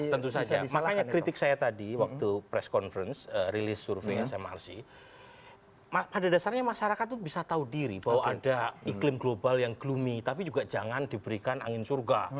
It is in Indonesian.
tentu saja makanya kritik saya tadi waktu press conference rilis survei smrc pada dasarnya masyarakat itu bisa tahu diri bahwa ada iklim global yang gloomy tapi juga jangan diberikan angin surga